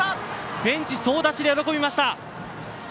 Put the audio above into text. ベンチ総立ちで喜びました。